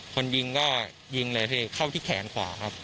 คนยิงก็ยิงเลยพี่เข้าที่แขนขวาครับ